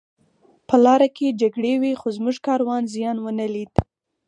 په لاره کې جګړې وې خو زموږ کاروان زیان ونه لید